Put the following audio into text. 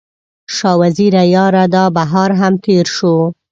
شاه وزیره یاره، دا بهار هم تیر شو